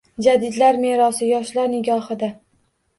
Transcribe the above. Jadidlar merosi – yoshlar nigohida